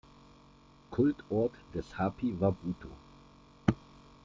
Kultort des Hapi war Buto.